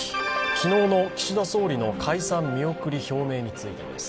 昨日の岸田総理の解散見送り表明についてです。